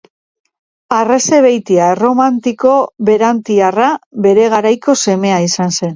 Arrese Beitia, erromantiko berantiarra, bere garaiko semea izan zen.